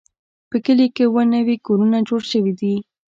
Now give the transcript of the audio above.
په کلي کې اووه نوي کورونه جوړ شوي دي.